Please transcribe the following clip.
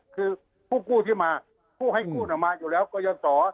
คือผู้กู้ที่มาผู้ให้กู้ออกมาอยู่แล้วก็ยังสอ